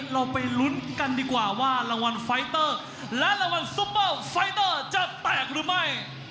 เราไปลุ้นกันดีกว่าว่ารางวัลไฟเตอร์และรางวัลซุปเปอร์ไฟเตอร์จะแตกหรือไม่